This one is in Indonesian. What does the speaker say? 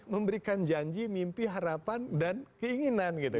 memberikan janji mimpi harapan dan keinginan gitu